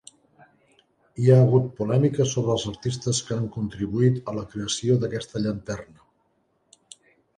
Hi ha hagut polèmica sobre els artistes que han contribuït a la creació d'aquesta llanterna.